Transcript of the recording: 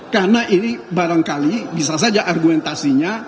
karena ini barangkali bisa saja argumentasinya